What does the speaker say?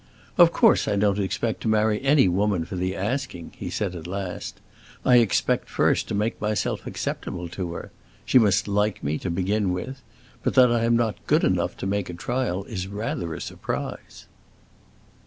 "Of course I don't expect to marry any woman for the asking," he said at last; "I expect first to make myself acceptable to her. She must like me, to begin with. But that I am not good enough to make a trial is rather a surprise."